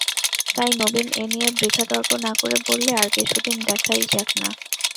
তাই নবীন এ নিয়ে বৃথা তর্ক না করে বললে, আর কিছুদিন দেখাই যাক-না।